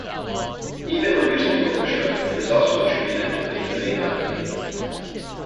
Even when used in the orchestra, it is also attributed with the main melody.